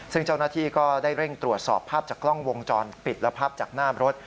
ซึ่งเจ้าหน้าที่ก็ได้เร่งตรวจสอบภาพจากกล้องวงจรปิดและภาพจากหน้ารถ